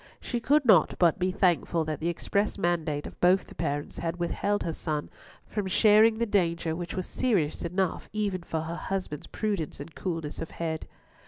She could not but be thankful that the express mandate of both the parents had withheld her son from sharing the danger which was serious enough even for her husband's prudence and coolness of head.